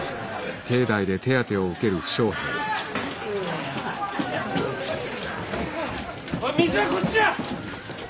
おい水はこっちだ！